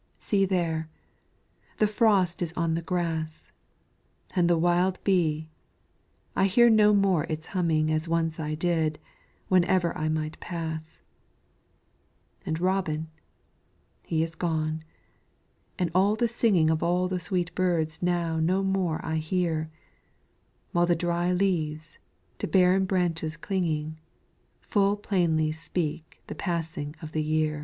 see there, the frost is on the grass! And the wild bee I hear no more its humming As once I did, wherever I might pass; And robin he is gone, and all the singing Of all the sweet birds now no more I hear, While the dry leaves, to barren branches clinging, Full plainly speak the passing of the year.